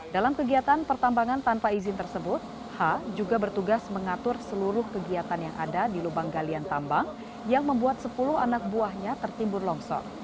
dalam kegiatan pertambangan tanpa izin tersebut h juga bertugas mengatur seluruh kegiatan yang ada di lubang galian tambang yang membuat sepuluh anak buahnya tertimbun longsor